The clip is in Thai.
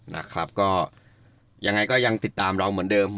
นะครับก็ยังไงก็ยังติดตามเราเหมือนเดิม